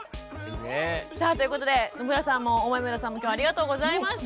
さあということで野村さんも大豆生田さんも今日はありがとうございました。